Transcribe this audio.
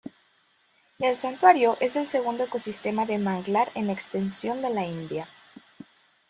El santuario es el segundo ecosistema de manglar en extensión de la India.